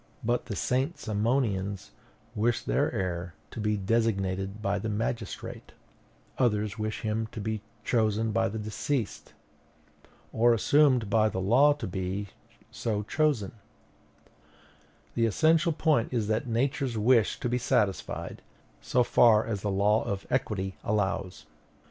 But the St. Simonians wish the heir to be designated by the magistrate; others wish him to be chosen by the deceased, or assumed by the law to be so chosen: the essential point is that Nature's wish be satisfied, so far as the law of equality allows.